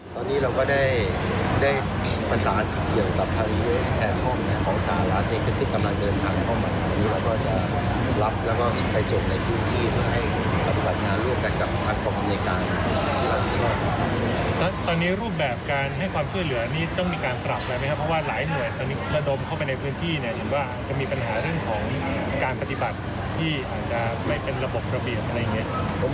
พอเข้าไปในพื้นที่จะมีปัญหาเรื่องของการปฏิบัติที่จะไม่เป็นระบบประเบียบ